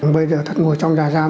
bây giờ thật ngồi trong giả giam